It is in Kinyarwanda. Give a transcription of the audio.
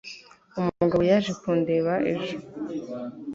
umugabo yaje kundeba ejo